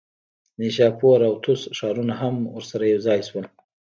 نیشاپور او طوس ښارونه هم ورسره یوځای شول.